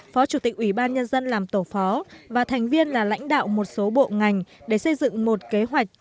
phó chủ tịch ủy ban nhân dân làm tổ phó và thành viên là lãnh đạo một số bộ ngành để xây dựng một kế hoạch